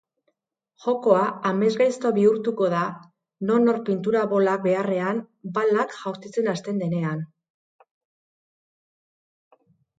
Jokoa amesgaizto bihurtuko da nonor pintura bolak beharrean balak jaurtitzen hasten denean.